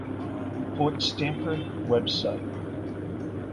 Fort Stamford website